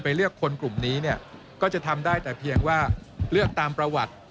เลือกคนกลุ่มนี้เนี่ยก็จะทำได้แต่เพียงว่าเลือกตามประวัติ